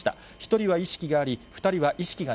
１人は意識があり、２人は意識が